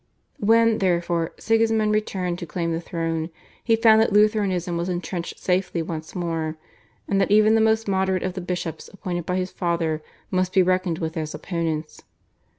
When, therefore, Sigismund returned to claim the throne he found that Lutheranism was entrenched safely once more, and that even the most moderate of the bishops appointed by his father must be reckoned with as opponents.